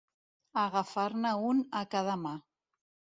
Agafar-ne un a cada mà.